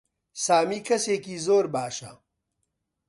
سامی کەسێکی زۆر باشە.